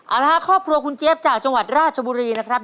อาราคอบครัวคุณเจฟจากจังหวัดราชบุรีนะครับ